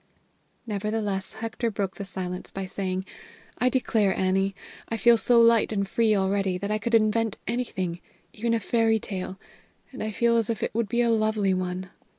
Nevertheless, Hector broke the silence by saying: "I declare, Annie, I feel so light and free already that I could invent anything, even a fairy tale, and I feel as if it would be a lovely one.